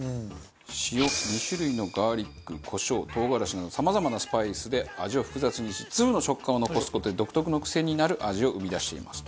塩２種類のガーリックコショウ唐辛子などさまざまなスパイスで味を複雑にし粒の食感を残す事で独特の癖になる味を生み出していますと。